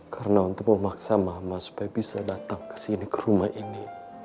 karena untuk memaksa mama supaya bisa datang ke sini ke rumah ini